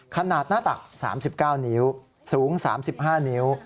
ขนาดหน้าตัก๓๙นิ้วสูง๓๕นิ้ว